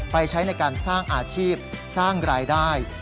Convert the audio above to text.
ใช้ในการสร้างอาชีพสร้างรายได้